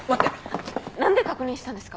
何で確認したんですか？